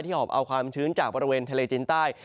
หอบเอาความชื้นจากบริเวณทะเลจีนใต้